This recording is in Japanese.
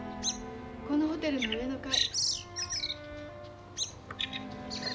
このホテルの上の階。